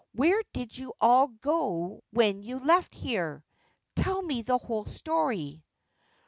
Where did you all go when you left here ? Tell me the whole story.'